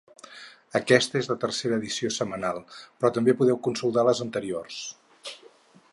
Aquesta és la tercera edició setmanal, però també podeu consultar les anteriors.